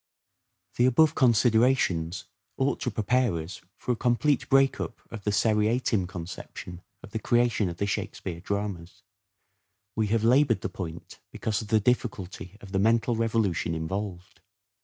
The above considerations ought to prepare us for Dramatic a complete break up of the seriatim conception of the Reserves creation of the " Shakespeare " dramas. We have laboured the point because of the difficulty of the mental revolution involved.